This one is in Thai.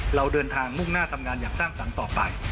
เราเดินทางมุ่งหน้าทำงานอย่างสร้างสรรค์ต่อไป